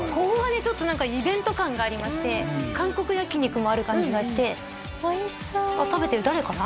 ちょっと何かイベント感がありまして韓国焼肉もある感じがしてあっ食べてる誰かな？